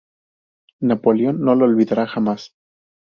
Napoleón no lo olvidará jamás.